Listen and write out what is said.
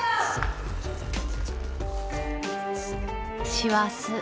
師走。